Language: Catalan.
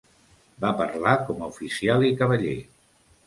Va parlar com a oficial i cavaller.